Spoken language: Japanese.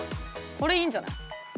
これいいんじゃない？